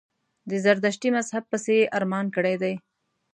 د زردشتي مذهب پسي یې ارمان کړی دی.